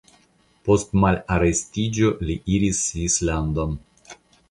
Post malarestiĝo li iris Svislandon.